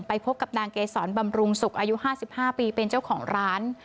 พบกับนางเกษรบำรุงศุกร์อายุ๕๕ปีเป็นเจ้าของร้าน